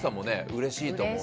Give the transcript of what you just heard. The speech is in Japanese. うれしいと思うし。